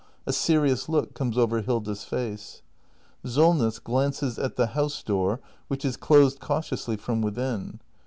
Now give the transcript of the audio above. A serious look comes over Hilda's face. Solness. [Glances at the house door, which is closed cautiously from within.